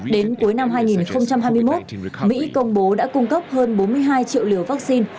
đến cuối năm hai nghìn hai mươi một mỹ công bố đã cung cấp hơn bốn mươi hai triệu liều vaccine